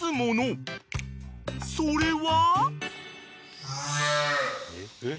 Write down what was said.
［それは？］